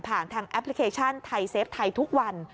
ทางแอปพลิเคชันไทยเซฟไทยทุกวัน